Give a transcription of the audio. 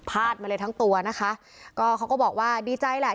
ดมาเลยทั้งตัวนะคะก็เขาก็บอกว่าดีใจแหละ